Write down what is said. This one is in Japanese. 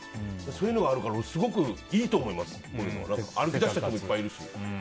そういうことがあるからすごくいいと思います。